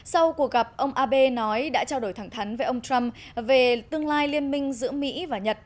sau cuộc gặp ông abe nói đã trao đổi thẳng thắn với ông trump về tương lai liên minh giữa mỹ và nhật